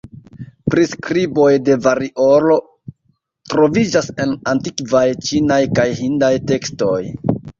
Priskriboj de variolo troviĝas en antikvaj ĉinaj kaj hindaj tekstoj.